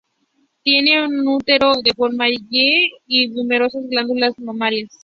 Tienen un útero en forma de 'Y' y numerosas glándulas mamarias.